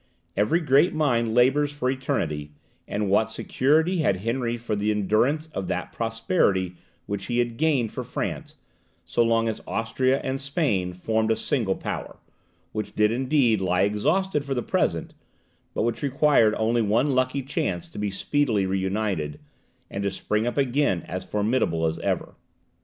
Every great mind labours for eternity; and what security had Henry for the endurance of that prosperity which he had gained for France, so long as Austria and Spain formed a single power, which did indeed lie exhausted for the present, but which required only one lucky chance to be speedily re united, and to spring up again as formidable as ever.